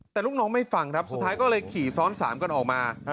แต่ลูกน้องไม่ฟังครับสุดท้ายก็เลยขี่ซ้อนสามกันออกมา